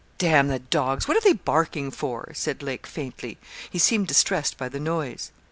'D the dogs, what are they barking for?' said Lake, faintly. He seemed distressed by the noise.